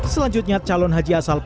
selanjutnya calon haji asal